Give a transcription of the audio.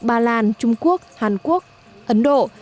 ba lan trung quốc hàn quốc ấn độ